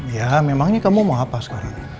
ya memangnya kamu mau apa sekarang